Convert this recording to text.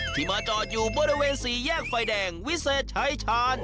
มาจอดอยู่บริเวณสี่แยกไฟแดงวิเศษชายชาญ